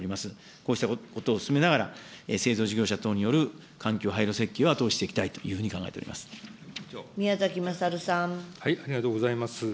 こうしたことを進めながら、製造事業者等による環境配慮設計を後押ししていきたいと考えてお宮崎勝さん。ありがとうございます。